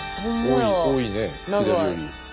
多いね左より。